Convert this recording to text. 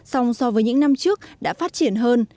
song so với những năm trước đã phát triển hơn